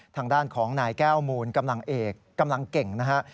ทางด้านของนายแก้วมูลกำลังเอกกำลังเก่งนะฮะ